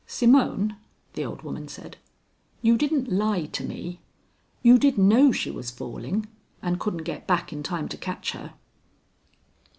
"Simone," the old woman said. "You didn't lie to me? You did know she was falling, and couldn't get back in time to catch her?"